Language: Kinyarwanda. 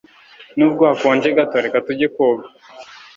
Nubwo hakonje gato, reka tujye koga.